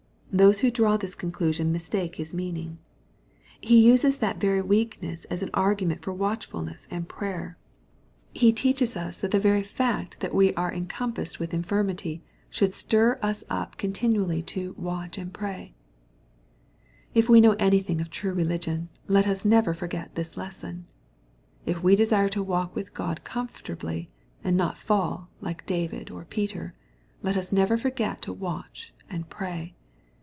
Those who draw this conclusion mistake His meaning. He uses that very weakness as an argument for watchfulness and prayer»^ He teaches us that the very fact that we are 366 EXPOSITOBT THOUGHTS. encompassed with infirmity^ should stir us up contiii" aally to " watch and pray/J If we know anything of true religion, let us nevei forget this lesson. If we desire to walk with God com* fortably, and not fall, like David or P^r, let us never forget to watch and pray.